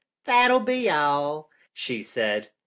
"That'll be all," she said.